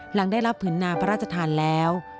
หลังได้รับผืนนาพระราชทานแล้ว